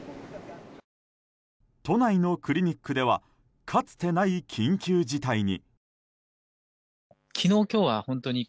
都内のクリニックではかつてない緊急事態に。